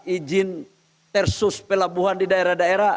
izin tersus pelabuhan di daerah daerah